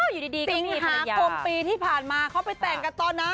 จริงหรือไม่คมปีที่ผ่านมาเขาไปแต่งกันตอนไหน